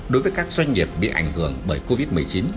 đối với các doanh nghiệp bị ảnh hưởng bởi covid một mươi chín